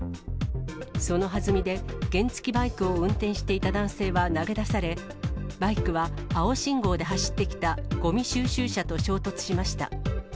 そのはずみで原付きバイクを運転していた男性は投げ出され、バイクは青信号で走ってきたごみ収集車と衝突しました。